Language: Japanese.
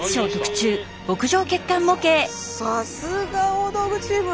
さすが大道具チーム！